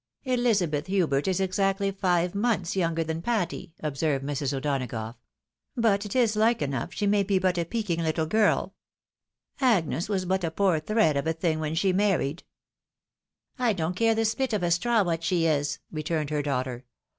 "Elizabeth Hubert is exactly five months younger than Patty," observed Mrs. O'Donagough ;" but it is like enough she may be a peaking little girl. Agnes was but a poor thread of a tlung when she married." " I don't care the split of a straw what she is," returned her daughter.